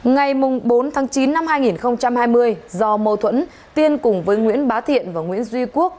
ngày bốn tháng chín năm hai nghìn hai mươi do mâu thuẫn tiên cùng với nguyễn bá thiện và nguyễn duy quốc